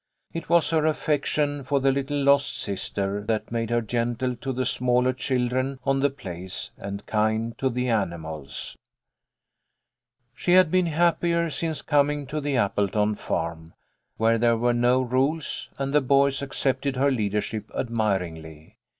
It was her affection for the little lost sister that made her gentle to the smaller children on the place and kind to the animals. She had been happier since coming to the Apple ton farm, where there were no rules, and the boys accepted her leadership admiringly.